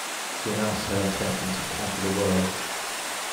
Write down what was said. She announced her intention to conquer the world